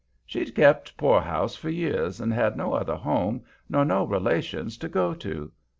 She'd kept poorhouse for years, and had no other home nor no relations to go to.